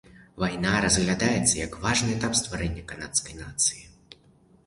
Вайна разглядаецца як важны этап стварэння канадскай нацыі.